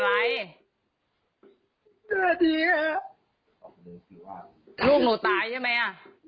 ลูกหนูตายใช่มั้ย